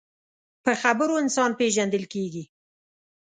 په خبرو انسان پیژندل کېږي